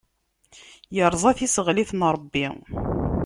Iṛẓa tiseɣlit n Ṛebbi.